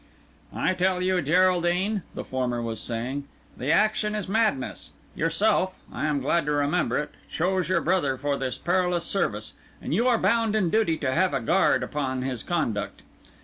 "I tell you, Geraldine," the former was saying, "the action is madness. Yourself (I am glad to remember it) chose your brother for this perilous service, and you are bound in duty to have a guard upon his conduct.